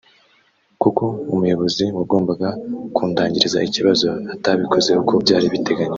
kuko Umuyobozi wagombaga kundangiriza ikibazo atabikoze uko byari biteganyijwe